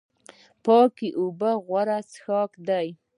پاکې اوبه غوره څښاک دی